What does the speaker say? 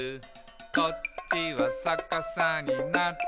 「こっちはさかさになっていて」